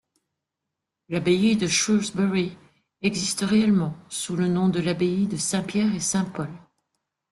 L'abbaye de Shrewsbury existe réellement, sous le nom de l'abbaye de saint-Pierre et saint-Paul.